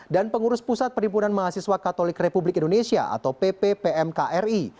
dan pengurus pusat penipuan mahasiswa katolik republik indonesia atau pppmkri